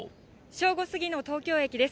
正午過ぎの東京駅です。